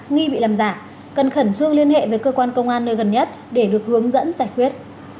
nghi bị làm giả cần khẩn trương liên hệ với cơ quan công an nơi gần nhất để được hướng dẫn giải quyết